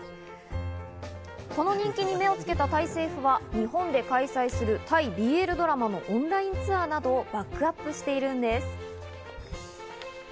この人気に目をつけたタイ政府は日本で開催する、タイＢＬドラマのオンラインツアーなどをバックアップしているんです。